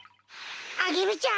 アゲルちゃん